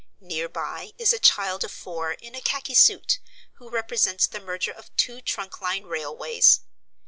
Near by is a child of four, in a khaki suit, who represents the merger of two trunk line railways.